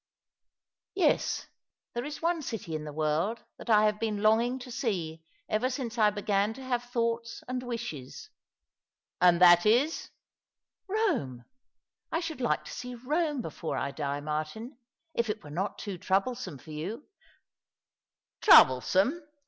" Yes, there is one city in the world that I have been long ing to see ever since I began to have thoughts and wishes." ''And that is "" Eome ! I should like to see Kome before I die, Martin ; if it were not too troublesome for you "" Troublesome